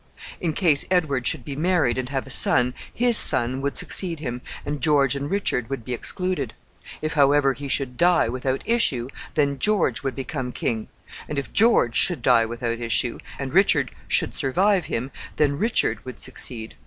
In case Edward should be married and have a son, his son would succeed him, and George and Richard would be excluded; if, however, he should die without issue, then George would become king; and if George should die without issue, and Richard should survive him, then Richard would succeed.